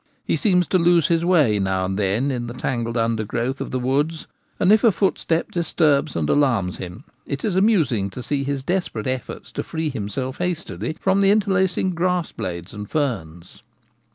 He seems to lose his way now and then in the tangled under growth of the woods ; and if a footstep disturbs and alarms him, it is amusing to see his desperate efforts to free himself hastily from the interlacing grass blades and ferns.